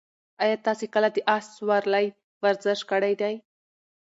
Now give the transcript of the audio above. ایا تاسي کله د اس سورلۍ ورزش کړی دی؟